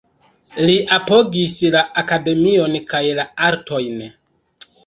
Li apogis la akademion kaj la artojn.